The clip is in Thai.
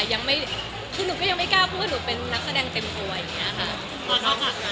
ยังไม่คุยหนูก็ยังไม่กล้าเพราะหนูเป็นนักแสดงเต็มโภยอย่างนี้นะคะ